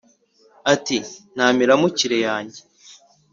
iti “Nta miramukire yanjye,